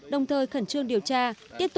đồng thời khẩn trương điều trị